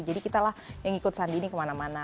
jadi kita lah yang ikut sandi ini kemana mana